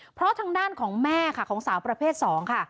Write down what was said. เพราะทางด้านของแม่ค่ะของสาวประเภท๒ค่ะ